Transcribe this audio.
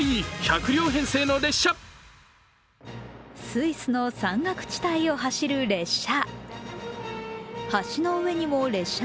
スイスの山岳地帯を走る列車。